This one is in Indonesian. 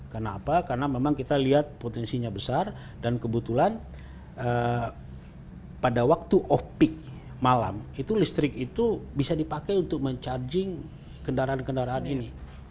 karena apa karena memang kita lihat potensinya besar dan kebetulan pada waktu off peak malam itu listrik itu bisa dipakai untuk mencarging kendaraan kendaraan ini